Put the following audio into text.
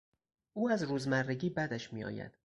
او از روزمرگی بدش میآید.